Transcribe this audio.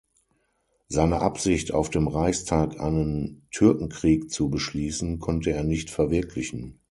Seine Absicht, auf dem Reichstag einen Türkenkrieg zu beschließen, konnte er nicht verwirklichen.